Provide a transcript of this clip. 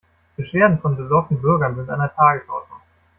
Beschwerden von besorgten Bürgern sind an der Tagesordnung.